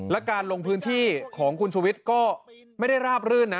และการลงพื้นที่ของคุณชุวิตก็ไม่ได้ราบรื่นนะ